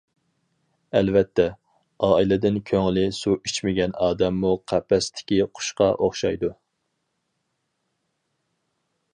ئەلۋەتتە، ئائىلىدىن كۆڭلى سۇ ئىچمىگەن ئادەممۇ قەپەستىكى قۇشقا ئوخشايدۇ.